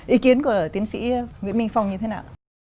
ý kiến của tiến sĩ nguyễn minh phong như thế nào